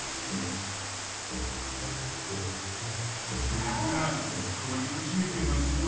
［ほらほら変わり始めてますよ］